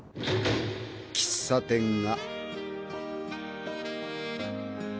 喫茶店が。